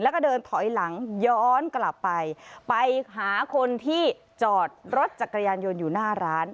แล้วก็เดินถอยหลังย้อนกลับไปไปหาคนที่จอดรถจักรยานยนต์อยู่หน้าร้าน